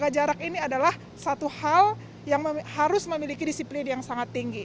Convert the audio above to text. jaga jarak ini adalah satu hal yang harus memiliki disiplin yang sangat tinggi